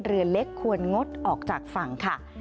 เรือเล็กควรงดออกจากฝั่งค่ะ